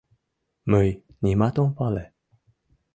— Мый нимат ом пале.